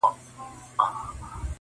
ته ښکلی یوسف یې لا په مصر کي بازار لرې -